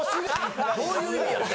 どういう意味やろね。